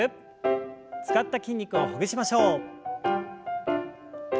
使った筋肉をほぐしましょう。